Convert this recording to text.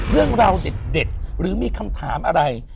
เรื่องราวเด็ดหรือมีคำถามอะไร